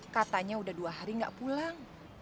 katanya udah dua hari gak pulang